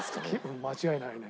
うん間違いないね。